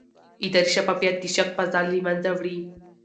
اداري شفافیت د شک فضا له منځه وړي